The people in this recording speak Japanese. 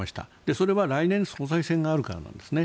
それは来年総裁選があるからなんですね。